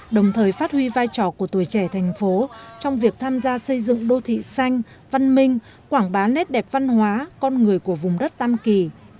đồng thời phát huy vai trò của tuổi trẻ thành phố trong việc tham gia xây dựng đô thị xanh văn minh quảng bá nét đẹp văn hóa con người của vùng đất tam kỳ